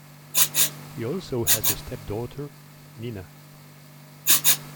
He also has a stepdaughter, Nina.